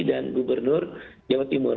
dan gubernur jawa timur